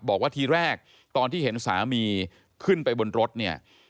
บอกว่าทีแรกตอนที่เห็นสามีขึ้นไปบนรถเนี่ย